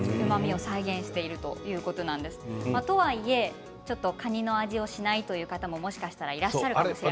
とはいえちょっとカニの味がしないという方も、もしかしたらいらっしゃるかもしれない。